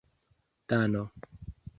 dano